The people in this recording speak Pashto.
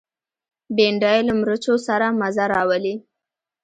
بېنډۍ له مرچو سره مزه راولي